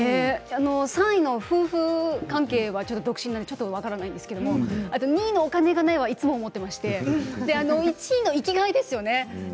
３位の夫婦関係はちょっと独身なので分からないんですけど２位のお金がないがいつも思っていまして１位が生きがいですよね。